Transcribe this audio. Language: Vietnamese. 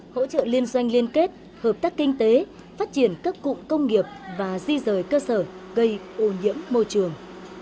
hỗ trợ liên doanh liên kết hợp tác kinh tế phát triển các cụm công nghiệp và di rời cơ sở gây ô nhiễm môi trường